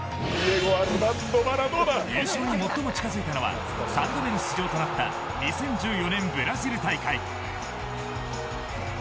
優勝に最も近づいたのは３度目の出場となった２０１４年ブラジル大会。